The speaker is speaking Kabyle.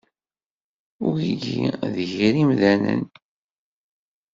Wigi d yir imdanen.